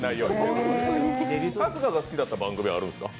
春日さんが好きだった番組あるんですか？